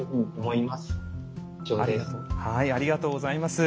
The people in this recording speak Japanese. ありがとうございます。